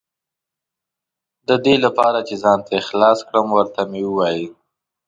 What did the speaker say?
د دې لپاره چې ځان ترې خلاص کړم، ور ته مې وویل.